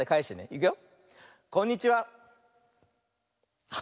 いくよ。